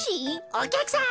おきゃくさん